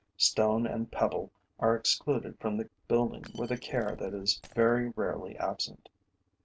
Stone and pebble are excluded from the building with a care that is very rarely absent.